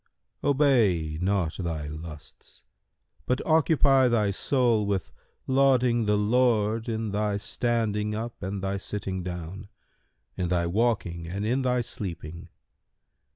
Obey not thy lusts, but occupy thy soul with lauding the Lord in thy standing up and thy sitting down, in thy waking and in thy sleeping.